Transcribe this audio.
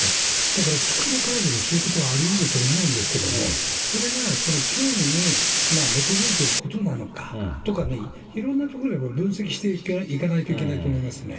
だから少なからずそういうことはありうると思うんですけど、それが教義に基づいていることなのかとかね、いろんなところで分析していかないといけないと思いますね。